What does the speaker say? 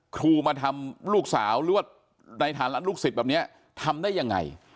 ครูมาทำลูกสาวหรือว่าในฐานะลูกศิษย์แบบนี้ทำได้ยังไง